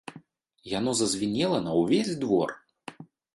Яно зазвінела на ўвесь двор.